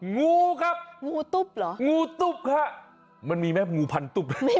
งูครับงูตุ๊บค่ะมันมีแม่งงูพันตุ๊บเหรอ